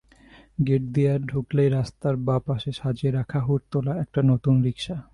Gate দিয়ে ঢুকলেই রাস্তার বাঁ পাশে সাজিয়ে রাখা হুড তোলা একটা নতুন রিকশা।